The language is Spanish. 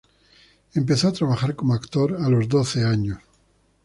Empezó a trabajar como actor a los doce años.